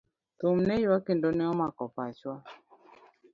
Thum ne yuak kendo ne omako pachwa.